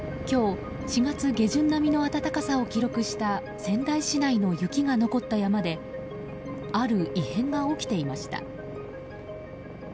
今日、４月下旬並みの暖かさを記録した仙台市内の雪が残った山である異変が起きていました。